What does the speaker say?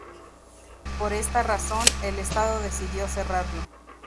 Por esa razón, el Estado decidió cerrarlo.